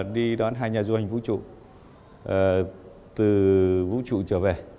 đi đón hai nhà du hành vũ trụ từ vũ trụ trở về